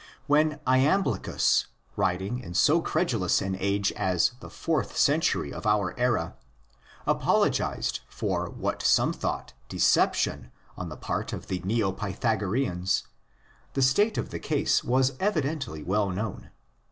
When Iamblichus, writing in so credulous an age as the fourth century of our era, apologised for what some thought decep tion on the part of the Neo Pythagoreans, the state of the case was evidently well known.